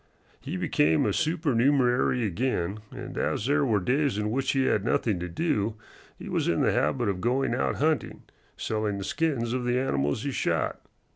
He became a supernumerary again, and as there were days in which he had nothing to do, he was in the habit of going out hunting, selling the skins of the animals he shot.